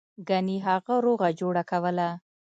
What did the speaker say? ګنې هغه روغه جوړه کوله.